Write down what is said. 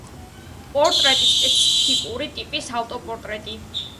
პორტრეტის სპეციფიკური ტიპის ავტოპორტრეტი.